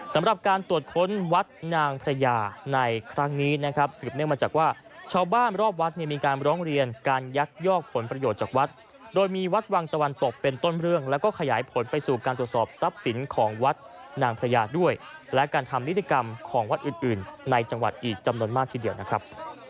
สำหรับการตรวจค้นวัดนางพระยาในครั้งนี้นะครับสืบเนื่องมาจากว่าชาวบ้านรอบวัดเนี่ยมีการร้องเรียนการยักยอกผลประโยชน์จากวัดโดยมีวัดวังตะวันตกเป็นต้นเรื่องแล้วก็ขยายผลไปสู่การตรวจสอบทรัพย์สินของวัดนางพระยาด้วยและการทำนิติกรรมของวัดอื่นในจังหวัดอีกจำนวนมากทีเดียวนะครับ